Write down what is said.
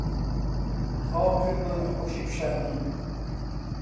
تەواو کردمانە خۆشی و شادی